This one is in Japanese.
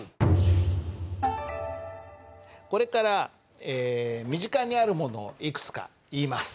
これから身近にあるものをいくつか言います。